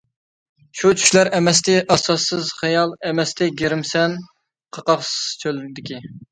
شۇ چۈشلەر ئەمەستى ئاساسسىز خىيال، ئەمەستى گىرىمسەن قاقاس چۆلدىكى.